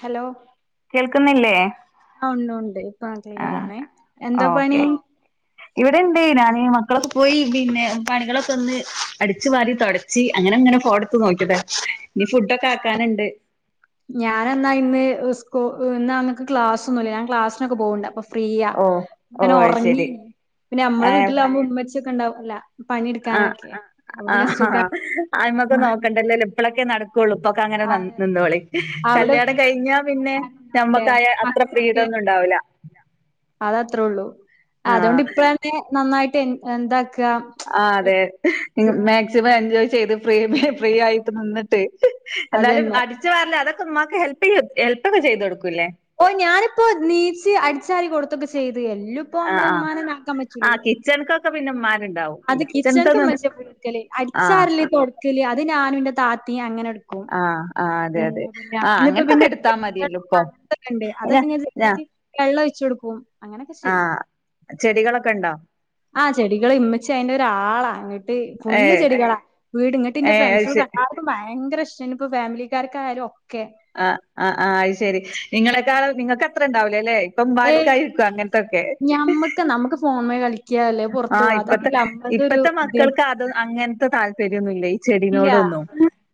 Hello കേൾക്കുന്നില്ലേ ആ ഉണ്ട് ഉണ്ട് ഇപ്പൊ ക്ലിയറാണേ എന്താ പണി? ഓക്കെ ഇവിടെണ്ട് ഞാന് മ മക്കളൊക്കെ പോയി പിന്നെ പണികളൊക്കെ ഒന്ന് അടിച്ചു വാരി തൊടച്ച് അങ്ങനെ അങ്ങനെ പോണ്. നോയിക്കട്ടെ ആ ഇനി ഫുഡൊക്കെ ഞാന് ആക്കാനുണ്ട്. ഞാനെന്നാ ഇന്ന് സ്കൂ ഇന്ന്നങ്ങക്ക് ക്ലാസൊന്നുല്ല ഞാൻ ക്ലാസിനൊക്കെ പോക്ണ്ട്. അപ്പൊ പ്രിയ ഓ ഓ അങ്ങനെ അത് ഒറങ്ങി ശരി പിന്നെ നമ്മളെ ഏ വീട്ടിലാവുമ്പോ ഉമ്മച്ചിക്കെ ഉണ്ടാവുല്ലേ. ആ ആ ആ ആമക്ക് ഉം. നോക്കണ്ട. അല്ലെങ്കിലും ഇപ്പളൊക്കെ നടക്കുള്ളൂ. ഇപ്പൊക്കെങ്ങനെ അതെ അതെ നിന്നോളി അവിടെ കല്യാണം കഴിഞ്ഞാ പിന്നെ ണ്ടാവുല്ലേ നമ്മക്കായ അത്ര ഫ്രീഡൊന്നും ഉണ്ടാവൂല. അതത്രള്ളൂ അതുകൊണ്ട് ആഹ് ഇപ്പഴന്നെ നന്നായിട്ട് എന്താ ആ അതെ മാക്സിമം എൻജോയ് ചെയ്ത് ഫ്രീ ഫ്രീ ആയിട്ട് നിന്നിട്ട് എന്നാലും അതന്നെ അടിച്ച് വാരല് അതൊക്കെ ഉമമാക്ക് ഹെൽപ് ചെയ് ഹെൽപ്പൊക്കെ ചെയ്തു കൊടുക്കൂല്ലേ? ഓ ഞാനിപ്പോ നീച്ച് അടിച്ചാരി കൊടുത്തൊക്കെ ചെയ്ത്. എല്ലു പ്പോ നമ്മള് ഇമ്മാ നക്കാൻ പറ്റൂലല്ലോ. വിന്നം മാറിണ്ട് അത് കിച്ചണ്ക്ക മച്ചിക്കല്. ആഹ് അടിച്ചാരലാ തൊടക്കല് അത് ഞാനും ന്റെ താത്തി അങ്ങനെ എ ആ എന്താ പറയാ ഇപ്പോ പിന്നെ അങ്ങൊക്കെ മതിയല്ലോ ഇപ്പൊ [unintelligible] ഉണ്ട് അല്ല അതൊക്കെ ഇങ്ങനെ ഞാ വെള്ളൊഴി ച്ചൊടുക്കും അങ്ങനെക്കെ ചെയ്യും. ആഹ് ചെടികളൊക്കെ ഇണ്ടോ? ആഹ് ചെടികൾ ഇമ്മിച്ച് അയിന്റെ ഒരാളാ. ങ്ങിട്ട് ഫുള്ള് ഏഹ് ചെടികളാ വീട് ഇങ്ങിട്ട് എന്റെ ഏഹ് അത് ഫ്രണ്ട്സേ ശെ ആ ഭയങ്കര ഇഷ്ടാ ഇപ്പൊ ഫാമിലിക്കാർക്കായാലോ ആ ആ ആ അത് ശെരി നിങ്ങളെക്കാള് നിങ്ങൾക്ക്ത്ര ഉണ്ടാവലേ അല്ലേ ഇപ്പം ഏയ് മർക്കായിക്കും അങ്ങന്ത്തൊക്കെ ഞമ്മക്ക് നമുക്ക് ഫോണ്മ്മെ കളിക്കാ അല്ലേ പൊറത്ത് ആഹ പോവാ ഇപ്പത്തെ അതൊക്കെല്ലേ നമ്മളതൊരു ഇപ്പത്തെ ഇത്. മക്കൾക്ക് അത് അങ്ങനത്തെ താല്ര്ം ഈ ഇല്ല ചെടിനോടൊന്നും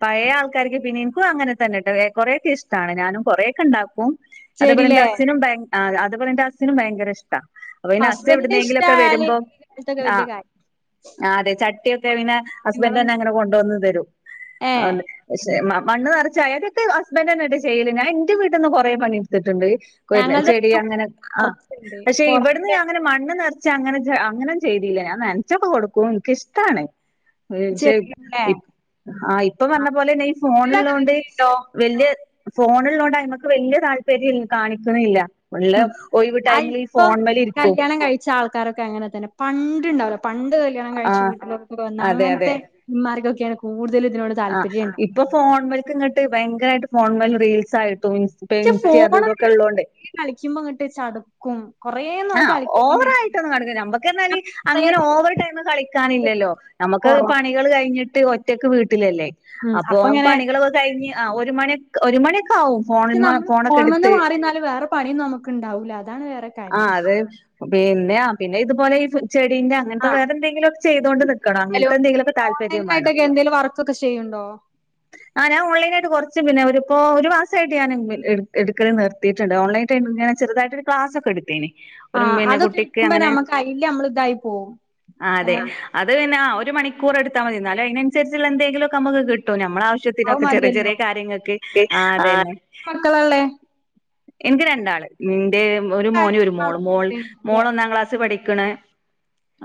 പയേ ആൾ ക്കാര്ക്ക് പിന്നീം ഇൻക്കും അങ്ങനെ തന്നെ ട്ടോ വേ കൊറേക്കെ ഇഷ്ടാണ് ഞാനും കൊറേക്കെണ്ടാക്കും. അതേപോലെ ഇന്റെ ചെടിലേ അസിനും ഭയ അതേ പോലെ ഇന്റെ അസിനും ഭയങ്കര ഇഷ്ടാ അപ്പൊ പിന്നെ അസ് എവി ഹസ്ബൻഡിന് ട്ന്നേങ്കിലെക്കെ ഇഷ്ടായാല് വരുമ്പോ ഈ കാലത്തൊക്കെ ആ വല്യ കാര്യം ആ അതെ ചട്ടിയൊ ക്കെ പിന്നെ നിങ്ങളും ഹസ്ബൻഡന്നെ അങ്ങനെ കൊണ്ടുവന്ന് തരും. ഏ അതെ പക്ഷെ മണ്ണ് നെറച്ച് അയതൊക്കെ ഹസ്ബൻറ് തന്നോട്ടൊ ചെയ്യല് ഞാൻ ഇന്റെ വീട്ട്ന്ന് കൊറേ പണിട്ത്തിട്ട്ണ്ട്. കൊര് ഞങ്ങൾത് ചെടി അങ്ങനെ ആ നറച്ച്ണ്ട് പക്ഷെ ഇവിട്ന്ന് പൊറത്ത് അങ്ങനെ മണ്ണ് നെർ ച്ച് അങ്ങനെ അങ്ങനൊം ചെയ്തീല്ല്യ ഞാൻ നനച്ചൊക്കെ കൊടുക്കും ഇൻക്കിഷ്ടാണ്. [unintelligible] ചെടികളല്ലേ ഇപ് ആഹ് ഇപ്പ പറഞ്ഞ പോലെന്നെ ഈ വീട്ടിലൊക്കെ ഫോണ്ള്ളോണ്ട് വെക്കണ്ടോ വല്യേ ഫോണ്ള്ളോണ്ട് അ്യ്മക്ക് വല്ല്യേ താല്പര്യം കാണിക്ക്ണ്ല്ല. ഉള്ള ഒഴിവ് ടൈമില് ഈ ഫോൺമലിരിക്കും ക്കാരൊക്കെ അങ്ങനെ തന്നെ പണ്ട് ഇണ്ടാവൊല്ലോ പണ്ട് കല്യാണം ആ കഴിച്ച് വീട്ടിലൊട്ട്ക്കെ വന്ന അങ്ങൻത്തെ ഉമ്മാര്കൊക് ഏണ് കൂടു ആഹ് ഇപ്പൊ ഫോൺൽക്ക്ങ്ങട്ട് ഭയങ്കരായിട്ട് ഫോൺമല് റീൽസ് ആയിട്ടും പക്ഷെ ഇപ്പൻസ്റ്റി അതു ഫോണ് തൊക്കെ ഇള്ളോണ്ടേ കളിക്കുമ്പോ ഇങ്ങട്ട് ചടുക്കും കൊറേ നാൾ ആഹ് കളിക്കണെങ്കി ഓവറയിട്ടൊന്നും കണൂല ഞമ്മക്ക് അർഞ്ഞാല് കൊറേ അങ്ങനെ ഓവർ ടൈമ് കളിക്കാനില്ലല്ലോ നമ ക്ക് കൊറ പണികൾ കഴിഞ്ഞിട്ട് ഒ റ്റക്ക് വീട്ടിലല്ലേ. ഉം അപ്പൊ അപ്പ ഇങ്ങനെ പണികളൊക്കെ കഴിഞ്ഞ് ആ ഒരു മണി ഒരു മണി ക്ക് നമ്മള് ഫോൺമെന്ന് മാറിന്നാലും വേറെ പണിയൊന്നും നമുക്ക് ഉണ്ടാവൂല. അതാണ് വേറെ കാ ആ അതെ പിന്നെ പിന്നെ ഇതുപോലെ ഈ ഫ് ചെടീന്റെ അങ്ങനത്തെ ആഹ് വേറെന്തെങ്കിലൊക്കെ ചെയ്തോണ്ട് നിക്കണം. ഹലോ അങ്ങനത്തെന്തേങ്കിലൊക്കെ ഓൺലൈൻ താല്പര്യം വേണം. ആയിട്ടൊക്കെ എന്തേലും വർക്കൊക്കെ ചെയ്യ്ണ്ടോ ആ ഞാൻ ഓൺലൈനായിട്ട് കൊറച്ച് പിന്നെ ഒര് പ്പൊ ഒരു മാസായിട്ട് ഞാൻ എടുക്കൽ നിർത്തീട്ട്ണ്ട്. ഓൺലൈൻ ടൈമ് ഇങ്ങെന ചെറതായിട്ടൊരു ക്ലാസ് ഒക്കെ എടുത്തീന്. ആ അതൊക്കെ എടുക്കുമ്പ നമ്മക്കയില് നമ്മൾ ഇതായി പോവും. ആ അതെ ഏഹ് അത് പിന്നെ ഒരു മണിക്കൂർ എടുത്താമതി ഇന്നാലും അയിനനുസരിച്ചുള്ള എന്തെങ്കിലൊക്കെ നമുക്ക് കിട്ടും ഞ മ്മളെ അത് ആവശ്യത്തിനൊക്കെ ചെറ്യ മതിയല്ലോ ചെറ്യ കാര്യങ്ങക്ക് ആ അതെന്നെ. മക്കളാള്ളേ എൻക്ക് രണ്ടാള്. ഇന്റെ ഒരു മോനും ഒരു മോളും മോൾ മോൾ ഒന്നാം ക്ലാസ് പഠി ക്ക്ണ്‌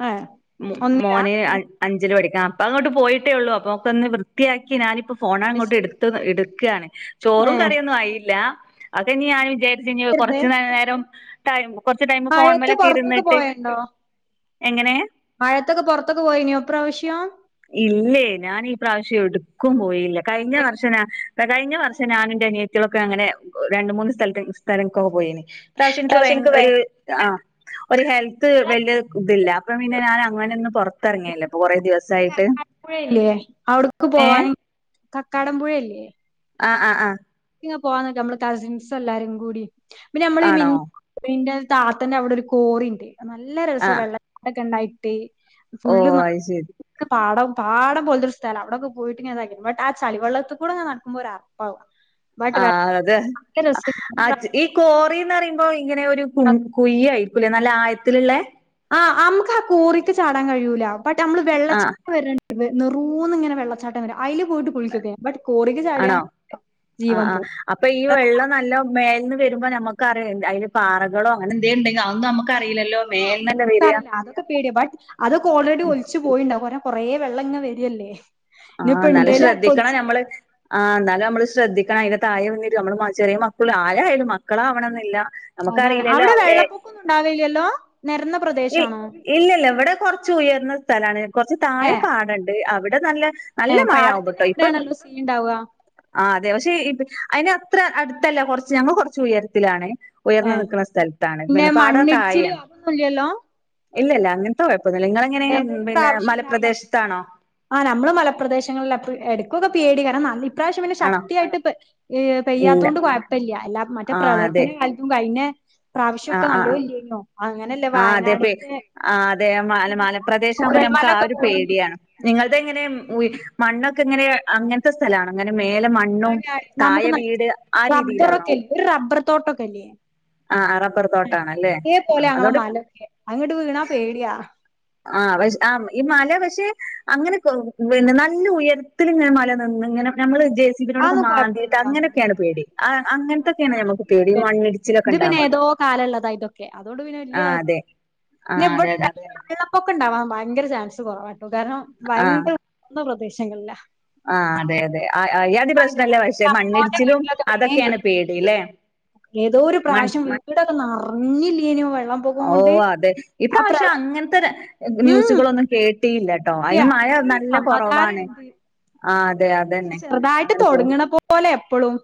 ഏഹ് മൊ ഒന്നിലാ മോന് അ അഞ്ചില് പഠിക്ക അപ്പ അങ്ങോട്ട് പോയിട്ടേ ഉള്ളൂ അപ്പൊക്കെ ഒന്ന് വൃത്തിയാക്കി ഞാന് പ്പൊ അത് ഫോണങ്ങോട്ട് ശരി എടുത്ത് എടുക്കാണ് ചോറും ഏഹ് കറിയൊന്നും ആയില്ലാ അതെ ഇനി ഞാൻ വിചാരിച്ച് ഇനി വെറുതെ കുറച്ച് നേരം ടൈം കൊറച്ച് ടൈമ് മഴയത്ത് ഫോൺമലൊക്കെ പൊറത്തൊക്കെ ഇരുന്നിട്ട് പോയണ്ടോ എങ്ങനെ മഴത്തൊക്കെ പുറത്തൊക്കെ പോയിന്യോ ഇപ്രാവശ്യം? ഇല്ലേ ഞാൻ ഈ പ്രാവശ്യം എവ്ടുക്കും പോയീല്ല. കഴിഞ്ഞ വർഷ ഞാ കഴിഞ്ഞ വർഷം ഞാന് അനിയത്തിയോളെക്കെ അങ്ങനെ രണ്ട് മൂന്ന് സ്ഥലത്ത് സ്ഥലക്കൊക്കെ പോയിന് ഇപ്രാവശ്യം ഇൻക്ക് ഭയ ഒരു ആ ഒരു ഹെൽത്ത് വല്ല്യ ഇതില്ല അപ്പൊ പിന്നെ ഞാൻ അങ്ങനെ ഒന്നും പൊറത്തറങ്ങല് ല്ല ഇപ്പൊ കൊറേ ദിവസായി [unintelligible] പുഴല്യേ അവിട്ക്ക് ഏഹ് പോവാന് കക്കാടം പുഴല്യേ ആഹ് ആ ആ [unintelligible] പോവാന്ന്ക്ക നമ്മൾ കസിൻസ് എല്ലാരും കൂടി പിന്നെ നമ്മള് ഈ ആണോ [unintelligible] താത്തന്റെ അവടെ ഒരു കോറിണ്ട് നല്ല രസാ ആഹ് വെള്ള [unintelligible] ഇണ്ടായിട്ട് ഓ ഫുള്ള് അത് ശരി [unintelligible] പാടം പാടം പോലത്തൊരു സ്ഥലാ അവിടൊക്കെ പോയിട്ട്ങ്ങനെതാക്കി ബട്ട് ആ ചളിവെള്ളത്ത്ക്കൂടെങ്ങന നടക്കുമ്പോ ഒരറപ്പാവ ആ അതെ ആ ച് ഈ കോറീന്നറിമ്പോ ഇങ്ങനെ ഒരു കുൺ കുയ്യ് ആയ്ര്ക്കു ലേ നല്ല ആയത്തില്ള്ളെ? ആഹ് അംക്ക് ആ കോറീക്ക് ചാടാൻ കഴിയൂല ബട്ട് നമ്മള് വെള്ള ആഹ് [unintelligible] വര് നെറൂന്ന് ഇങ്ങനെ വെള്ളച്ചാട്ടം വര അയില് പോയിട്ട് കുളിക്ക്യൊക്കെ ബട്ട് കോറിക്ക് ചാടിയാ ആണോ ആ ജീവൻ ആ പോവും അപ്പൊ ഈ വെള്ളം നല്ല മേൽന്ന് തരുമ്പോ ഞമുക്കറ്യോ അയ്‌ല് പാറകളോ അങ്ങനെ എന്തേൻണ്ടേൽ ഔന്നു അമ്മക്ക ആഹ് അതൊന്നും നമുക്കറീല അതൊക്കെ പേടിയ ബട്ട് അതൊക്കെ ഓൾറെഡി ഒലിച്ച് പോയിണ്ടാവും ഒരം കൊറേ വെള്ളം ഇങ്ങ വരല്ലേ ആ ഇനിയിപ്പോ ന്നാലും ഇണ്ടേല് അതൊക്കെ ശ്രദ്ധിക്കണം ഒലിച്ചു പോവും ഞമ്മള്. ആ ന്നാലും അമ്മള് ശ്രദ്ധിക്കണം. അയ്ൻ്റെ തായെ വന്നിട്ട് നമ്മളെ മ ചെറ്യേ മ ക്കള് ആരായാലും മക്കളാവണന്നില്ല. അതാണ് നമുക്കറിയില്ലല്ലോ അവിടെ എ വെള്ളപ്പൊക്കൊന്നും ഉണ്ടാവില്ലല്ലോ നെരന്ന പ്രദേശാണോ ഇല്ലല്ല ഇവിടെ കൊർച്ച് ഉയർന്ന സ്ഥലാണ്, കൊറച്ച് ഏഹ് താഴെപ്പാടണ്ട് അവിടെ നല്ല നല്ല ഏഹ് പാടത്തിന്റെ മഴയാവ്ട്ടോ ഇപ്പം അവിടെയാണല്ലോ സീൻ ഇണ്ടാവാ ആ അതെ പക്ഷെ ഇത് അയ്നത്ര അടുത്തല്ല കൊർച്ച് ഞങ്ങൾ കൊർച്ച് ഉയരത്തിലാണ് ഉയർന്നു ഏഹ് നിക്ക്ണ സ്ഥൽത്താണ്. പിന്നെ പാടം മണ്ണിടിച്ചില് താഴേയാണ്. അതൊന്നും ഇല്ലല്ലോ ഇല്ല ഇല്ല അങ്ങൻത്തെ കുഴ പ്പൊന്നുല്ല. ങ്ങണെങ്ങനെ ഏതേലും പിന്നെ പ്രാവശ്യം ഇണ്ടായിനോ മലപ്രദേശത്താണോ? ഞങ്ങളല്ല പ്പ് എടുക്കൊക്കെ പേടിയേക്കാരം നല്ല ഇപ്രാവിശ്യം പിന്നെ ആണോ ശക്തിയായിട്ട് പെ ഇല്ല പെയ്യാത്തോണ്ട് കൊഴപ്പല്യ, എല്ലാ മറ്റേ പ്രളയത്തിൻ്റെ കാലത്തും കഴിഞ്ഞെ ആആ അങ്ങനല്ലേ ആ അതെ പ്പേ.. വയനാട്ത്തെ ആ അതെ ആ മാല മാല പ്രദേശം ആവുമ്പോ നമുക്ക് ആ ചൂരൽമലൊക്കെ ഒരു പോയിന് പേടിയാണ്. നിങ്ങൾത് എങ്ങനെയെ ഉയ് മണ്ണൊക്കെ എങ്ങനെ അങ്ങൻത്തെ സ്ഥല അങ്ങനെ മേലെ മണ്ണും നമുക്ക് താഴെ വീട് ആ രീതിയിലാണോ? തോട്ടൊക്കല്യേ ആഹ് റബ്ബർ ആ തോട്ടാണല്ലേ അതേപോലെ ആഹ് ങ്ങളെ അതോണ്ട് മലെക്ക്ണ. അങ്ങട്ട് വീണാ പേടിയാ ആഹ് പഷ് ആ ഈ മലവെച് ച്ച് അങ്ങനെ പിന്നെ നല്ല ഉയരത്തില്ങ്ങനെ മല നിന്ന് ഇങ്ങനെ നമ്മള് ജേസിബിനോടൊക്കെ അതൊന്നും മാന്തിട്ട് കൊഴപ്പില്ലന്നുണ്ടല്ലേ അങ്ങനൊക്കേണ് പേടി, അ അങ്ങൻത്തൊക്കേണ് നമ്മക്ക് പേടി. മണ്ണിടിച്ചിലൊക്കെണ്ടാവുക തോകാലള്ളത ഇതൊക്കെ, അതോണ്ട് പിന്നെ വല്യ അതെ ആഹ് അതെ അതെ കൊഴപ്പം [inaudible] ഉണ്ടാവാൻ ഭയങ്കര ചാൻസ് കുറവാ ട്ടൊ. കാരണം ഭയങ്കര [unintelligible] പ്രദേശങ്ങളില ആ അതെ അതെയ ആ അയ്യാതി പ്രശ്നല്ല. പക്ഷെ അമ്മോന്റെ മണ്ണിടിച്ചിലും വീട്ടിലൊക്കെ വേഗം അതൊക്കേണ് കേറും പേടി ല്ലേ... ഏതോ ഒരു പ്രാവശ്യം വീടൊക്കെ നർർഞ്ഞില്ലേന്യോ വെ ഓ അതെ ഇപ്രാവിശ്യം അങ്ങൻത്തെ ഉം ന്യൂസുകളൊന്നും കേ ട്ടില്ലട്ടോ. ഇല്ല അയ്ന് മഴ അതുകൊണ്ടൊരു നല്ല കൊറവാണ് ചെർതായിട്ട് തൊട്ങ്ങ്ണ പോലെ എപ്പളും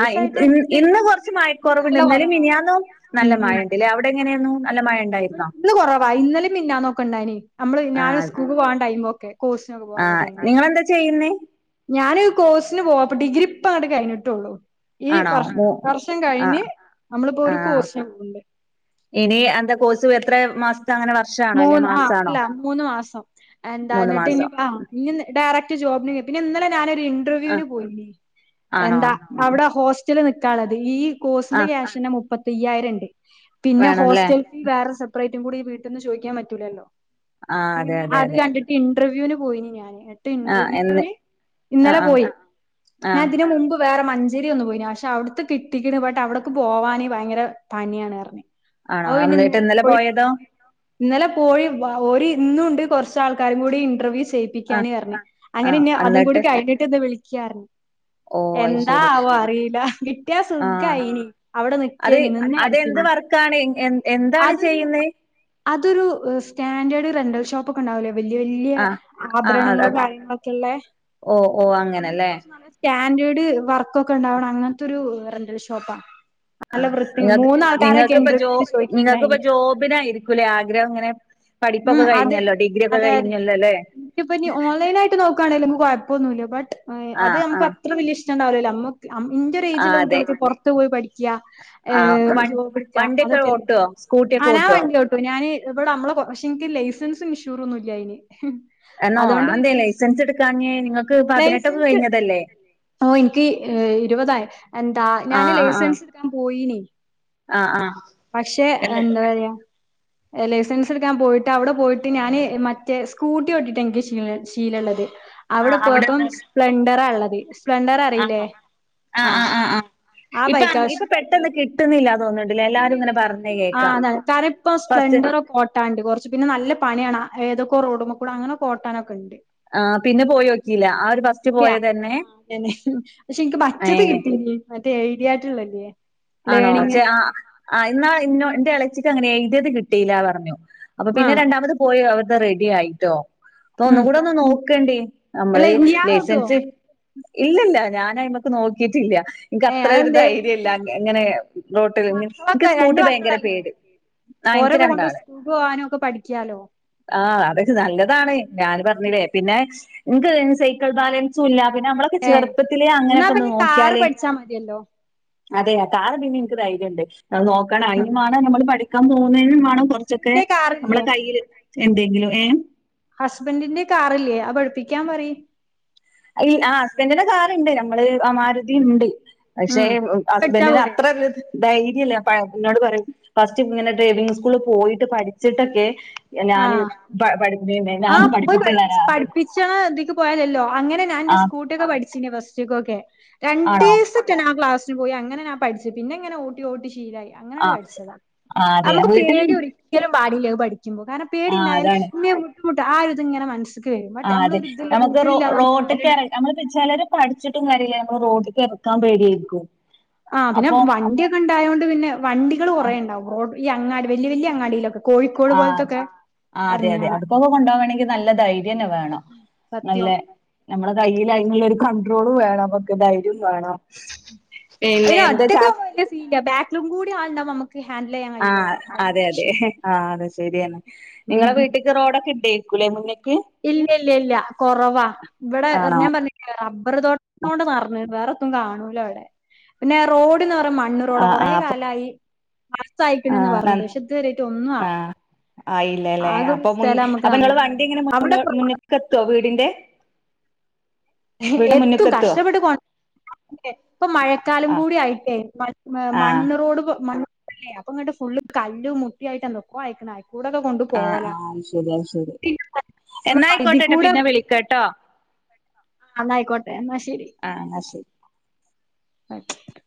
ആഹ് ഇന്ന് ഇണ്ട്. ഇന്ന് കുറച്ച് ഇന്ന് മഴക്കുറവുണ്ട് നല്ല ഇന്നലിം കൊറവാ മിനിയാന്നും നല്ല മഴണ്ട്ല്ലേ അവിടെ എങ്ങനെയായിരുന്നു [inaudible] നല്ല മഴ ഉണ്ടായിരുന്നോ ഇന്ന് കൊറവാ ഇന്നല്യും മിഞ്ഞാന്നൊക്കെണ്ടായിനി. നമ്മള് ഞാന് സ്കൂക്ക് പോകാൻ ടൈമ ആ നിങ്ങളന്താ ചെയ്യുന്നേ? ഞാന് കോഴ്സിന് പോവാ. അപ്പ ഡിഗ്രി ഇപ്പഅങ്ങട്ട് കഴിഞ്ഞിട്ടുള്ളൂ ഈ ആണോ വർ മൂ വർഷം കഴിഞ്ഞ് ആഹ് നമ്മളിപ്പോ ഒരു ആഹ് കോഴ്സ്ന് പോണ്ട് ഇനി എന്താ കോഴ്സും എത്രെ മാസ മൂന്ന് ആ അല്ല മൂന്ന് മാസം. എന്ത മൂന്ന് ന്നിട്ട്നി മാസം ആ ന്നി ഡയറക്ട് ക്ക് ജോബ്ന് പിന്നെ ഇന്നലെ ആ ഞാനൊരുന്റർവ്യൂവിന് പോയി. ആണോ എന്താ ഉം. അവിടെ ഹോസ്റ്റൽ നി താണ്. ഈ ആ കോഴ്സിന്റെ ക്യാഷന്നെ മുപ്പത്തയ്യായിരംണ്ട്. പിന്നെ വേണംല്ലേ ഹോസ്റ്റൽ ഫീ വേറെ സെപ്പറേറ്റ് കൂടി വീട്ട്ന്ന് ചോയ്ക്യാൻ പറ്റൂലല്ലോ. ആ അതെ പിന്നെ അതെ അത് അതെ കണ്ടിട്ട് ഇന്റർവ്യൂവിന് പോയിന് ഞാന് ന്നിട്ട് ആ എന്ന് ഇന്റർവ്യൂന് ആ ഇന്നലെ ആ പോയി. ആ ഞാതിന് മുമ്പ് വേറെ മഞ്ചേരി ഒന്ന് പോയിനി. പക്ഷെ അവിടുത്ത് കിട്ടിക്ക്ണ്. ബട്ട് അവിടക്ക് പോവാന് ഭയങ്കര പനിയാണർ ഞ്ഞ് ആണോ എന്നിട്ട് അപ്പോപിന്നെഇന്നലെ ഇന്നലെ പോയി [inaudible] പോയതോ ഇന്നലെ പോയി വാ ഓര് ഇന്നുംണ്ട് കുറച്ചാൾക്കാരും കൂടി ഇന്റർവ്യൂ ചെ ആ ചെയ്യിപ്പിക്കാന്ർഞ്ഞ. ആ അങ്ങനെ ഇന്ന അതും കൂടി എന്നിട്ട് കഴിഞ്ഞിട്ട് ഇന്ന് വിളിക്യാർഞ്ഞ് ഓ അത് എന്താ ശരി ആവോ, അറീല. കിട്ട്യ ആ സുഖായി നി. അവിടെ നിക്കേനി. നിന്ന് പഠിക്ക എന്ത് വർക്കാണ് എൻ എന്താണ് ചെയ്യുന്നത്? അതൊരു സ്റ്റാൻഡേർഡ് റെന്റൽ ഷോപ്പ് ഒക്കെ ഉണ്ടാവൂലേ.. വല്യ വല്യ ആ ആ അത് ആഭരണങ്ങളും അത് കാര്യങ്ങളൊക്കെള്ള ഓ ഓ അങ്ങനത്തെ അങ്ങനെല്ലേ കുറച്ച് നല്ല സ്റ്റാൻഡേർഡ് വർക്കൊക്കെ ഉണ്ടാവണം അങ്ങനത്തെൊ ഒരു റെന്റലി ഷോപ്പാ ആ നല്ല വൃത്തി നിങ്ങക്ക് മൂന്നാൾക്കാരൊക്കെ നിങ്ങൾക്കിപ്പ ജോ ഇന്റർവ്യൂവിന് നിങ്ങൾക്കിപ്പ ചോദിക്കാണ്ടായിനി. ജോബിനായിരിക്കൂല്ലേ ആഗ്രഹം ഇങ്ങനെ പഠിപ്പൊക്കെ കഴിഞ്ഞല്ലോ. ഡിഗ്രിയൊക്കെ കഴിഞ്ഞല്ലോല്ലേ? ഇക്ക്പ്പൊഞ്ഞിഇനി ഓൺലൈൻ ആയിട്ട് നോക്കാണെങ്കിലും ഇൻക് കൊഴപ്പൊന്നുല്ല. ബട്ട് ആ അത് ആ നമുക്ക് അത്ര വലിയഇഷ് ഇഷ്ടം ഉണ്ടാവുലാ അമ്മു ഇന്റെറ ഒരു ആ ഏജുള്ള അതെ കുട്ടികൾക്ക് പുറത്തു പോയി പഠിക ആ വ ജോബ് എടുക വണ്ടിയൊക്കെ അതൊക്കെയല്ലേ ഓട്ടുവോ സ്കൂട്ടിയൊക്കെ ഓട്ടുവോ ആവണ്ടി ഓട്ടു ഞാന് ഇവിടെ നമ്മളെ കൊറച്ച ഇക്ക് ലൈസൻസും ഇൻഷൂർൊന്നും ഇല്ല അതിന് എന്നോ അതൊണ്ട് അതെന്തേ ലൈസൻസ് എടുക്കാഞ്ഞേ നിങ്ങൾക്ക് പതിനെട്ടൊക്കെ ലൈസൻസ് കഴിഞ്ഞതല്ലേ ഓ എനിക്ക് ഇരുപതായി എന്താ ഞാന് ആഹ് ആഹ് ലൈസൻസ് എടുക്കാൻ പോയിണ് ആഹ് ആഹ് ആഹ് പക്ഷെ എന്ന് എന്താ പറയാ ലൈസൻസ് എടുക്കാൻ പോയിട്ട് അവിടെ പോയിട്ട് ഞാന് മറ്റേ സ്കൂട്ടിഓട്ടിട്ട് എനിക്ക് ശീലമുള്ളത് അവിടെ ആഹ് അവിടെന്ന് പോയപ്പോസ്പ്ലെണ്ടറ ഉള്ളത് സ്പ്ലെഡർ അറിയില്ലേ ആണോ ആ ആഹ് ആഹ് ആഹ് ആഹ് ആ ഇപ്പൊ അങ് ഇപ്പൊ ബൈക്കാവശ്യം പെട്ടെന്ന് കിട്ടുന്നില്ല തോന്നുന്നുണ്ടല്ലേ എല്ലാരും ഇങ്ങനെ പറഞ്ഞ ആ കേൾക്കാം കറിപ്പ സ്പ്ല ഫസ്റ്റ് ഉണ്ട കോട്ടാൽ ഉണ്ട് കുറച്ച് പിന്നെ നല്ല പണിയാണ് ഏതൊക്കെ റോഡു ഒക്കെ കൂടെ അങ്ങനെ ഓട്ടാനൊക്കെ ഉണ്ട് ആ പിന്നെ പോയി നോക്കില്ല ആര് ഫസ്റ്റ് പോയത് തന്നെ തന്നെ പക്ഷെ എനിക്ക് പച്ചത് കിട്ടീ മറ്റേ എഴുതിയായിട്ടുള്ളല്ലേ ലേണിങ് ആണോേ ആ ആ എന്നാ ഇന്ന എന്റെ ഇളച്ചിക്ക് അങ്ങനെ എഴുതിയത് കിട്ടിയില്ല പറഞ്ഞു അപ്പൊ പിന്നെ ആഹ് രണ്ടാമത് പോയി അവവിടുടെ റെഡി ആയിട്ടോ അപ്പൊ ഒന്ന് ഉം കൂടെ ഒന്ന് നോക്കണ്ടി അല്ല നമ്മള് ഇയാളോട്ടുവോ ലൈസൻസ് ഇല്ലല്ല ഞാനായി്മക്ക് നോക്കിട്ടില്ല എനിക്ക് ഏഹ് അത്രൊ ഒരു അതെന്തേ ധൈര്യം ഇല്ല ഇങ്ങനെ റോട്ടിൽ എനിക്ക് സ്കൂട്ടി ഭയങ്കര പേടി ആ ഇൻക്ക് ഓരക്കെ കൊണ്ട് രണ്ടാള് സ്കൂൾ പോകാനും ഒക്കെ പഠിക്കാലോ ആ അതൊക്കെ നല്ലതാണ് ഞാൻ പറഞ്ഞില്ലേ പിന്നെ ഇന്ക്ക് സൈക്കിൾ ബാലൻസും ഇല്ല പിന്നെ നമ്മളൊക്കെ ഏഹ് ചെറുപ്പത്തിലേ എന്നാ അങ്ങനെയൊക്കെ ഒന്ന് പിന്നെ കാറ് നോക്കിയാലേ പഠിച്ചാ മതിയല്ലോ അതെ അ കാറ് പിന്നെ എനിക്ക് ധൈര്യ ഉണ്ട് നോക്കണോഅയിന് വാണ നമ്മള് പഠിക്കാൻ പോവ ആയിനുവേണം കൊറച്ചൊക്കെ ഹസ്ബൻഡിന്റെ കാറില്ലേ നമ്മളെ കയ്യിൽ എന്തെങ്കിലും ഏ ഹസ്ബൻന്റിന്റെകാറില്ലേ ആ പഠിപ്പിക്കാൻ പറ ഈ ആ ഹസ്ബൻറിന്റെ കാറുണ്ട് നമ്മള്മാരുതി ഉണ്ട് പക്ഷേ ഉം പഠിച്ചാ ഹസ്ബൻഡന് പോരെ അത്രല്ലത് ധൈര്യമല്ലേ പിന്നോട് പറയും ഫസ്റ്റ് ഇങ്ങനെ ഡ്രൈവിംഗ്സ്കൂളിൽ പോയിട്ട് പഠിച്ചിട്ടൊക്കെ ആ ഞാന് പ പഠി ആ ഞാൻ പോയി പഠിപ്പിച്ച് തരാ പഠിപ്പിച്ചു പറയും. പഠിപ്പിച്ച് ണഇതിക്ക് പോയാലല്ലോ അങ്ങനെ ഞാൻന്റെ ആഹ് സ്കൂട്ടി ഒക്കെ പഠി ചിന്നു ഫസ്റ്റ് െക്കെ ആണോ രണ്ടീസം ഓക്കെ ഞാൻ ക്ലാ പോയി അങ്ങനെഞാൻ പഠിച്ചു പിനങ്ങനെ ഓട്ടിഓട്ടി ശീലായി അങ്ങനെയാണ് ആഹ് പഠിച്ചത് ആഹ് അതെ നമുക്ക് വീട്ടിൽ പേടി ഒരിക്കലും പാടില്ല അത് പഠിക്ക കാരണം ആഹ് പേടിണ്ടായാൽഇന്ന് ബുദ്ധിമുട്ട ആ വരും. ബട്ട് ആ അതെ നമ്മളൊരു ഇതില്ല നമുക്ക് കൂസലില്ലാതെ പോയാല് റോഡ്ക്ക് ഇറങ്ങ നമ്മള് ചിലര് പഠി വച്ചിട്ടും കാര്യ ഇല്ല ഞമ്മള് റോഡ്ക്ക് ഇറക്കാൻ പേടിയായിരിക്കും ആ പിന്നെ അപ്പൊ വണ്ടിയെക്കെ ഉണ്ടായതോണ്ട് പിന്നെ വണ്ടികൾ കുറേ ഉണ്ടാവും റോഡ് ഈ അങ്ങാടി വലിയ വലിയ അങ്ങാടിയിലൊക്കെ കോഴിക്കോട് ആ പോലത്തൊക്കെ ആ അതെ അതെ എറങ്ങിയാല് അതക്കൊക്കെ കൊണ്ട വണമെങ്കിൽ നല്ല ധൈര്യം വേണം നല്ല സത്യം. നമ്മളെ കയ്യിൽ അതിനുള്ളൊരു കണ്ട്രോള് വേണം പക്കെ ധൈര്യം വേണം പിന്നെ അയിന്‌ എന്താ ഒറ്റക്ക് ചാ പോവാൻവല്യസീൻ ഇല്ല ബാക്കിലും കൂടി ആള് ഉണ്ടാക്കുമ്പോ ആ അതെ അതെ ആ അതെ ശരിയന്നെ നിങ്ങളെ ഉം വീട്ടിക്ക് റോഡൊക്കെ ഇട്ടെ- കുളി ഒന്നും കഴി ഇല്ല ഇല്ല ഇല്ല കൊറവാ ഇവിടെ ഇർ ആണോ ഞാൻപറഞ്ഞിലെ റബർ തോട്ടം കൊണ്ട്നിറഞ്ഞ് വേറെൊത്തും കാണൂലോ അവിടെ പിന്നെ റോഡ് റോഡ്എന്ന് പറഞമണ്ണ്റോ ആ ആ ഡാകൊറെേ അപ്പൊ കാലമായി പാസയിക്ണു പറഞ്ഞ് പക്ഷേ ഇരുവരായിട്ട് ഒന്നും ആയി ആയില്ല ല്ലേ അപ്പൊ മുൻഇങ്ങൾ നന്നായി വണ്ടി തന്നെ എങ്ങനെ മു അവിടെ മുന്നോ മുന്നക്ക എത്തുവോ വീടിന്റെ വീട് എത്തും മുന്ന്ക്ക് എത്തുവോ കഷ്ടപ്പെട്ട് കോ അതെ ഇപ്പൊ മഴക്കാലം ആ കൂടി ആയിട്ടേ ആ മണ്ണറോട് മണ് അല്ലെ അപ്പൊ ഇങ്ങട്ട് ഫുള് കല് മുട്ടിയ ആയിട്ട്ന്തൊക്ക അയക്കണ കൂടെക്കെ കൊണ്ടു ആ പോവല എന്നായിക്കോട്ടെട്ടോ പിന്നെ വിളിക്കട്ടോ ആഹ എന്നായിക്കോട്ടെ എന്നാ ശരി ആഹ് എന്നാ ശരി അക്ക